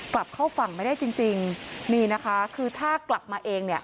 กลับเข้าฝั่งไม่ได้จริงจริงนี่นะคะคือถ้ากลับมาเองเนี่ย